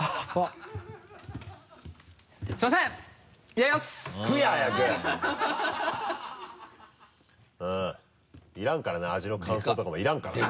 いらんからな味の感想とかもいらんからな。